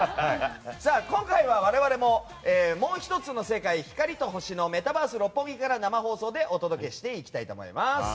今回は、我々ももう１つの世界光と星のメタバース六本木から生放送でお届けしていきたいと思います。